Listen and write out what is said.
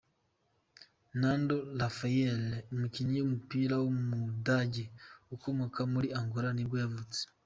Nando Rafael, umukinnyi w’umupira w’umudage ukomoka muri Angola nibwo yavutse.